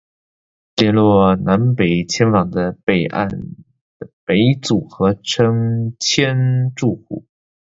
连结南北千住的北岸的北组合称千住宿。